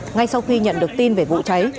ngay sau khi nhận được tin về vụ cháy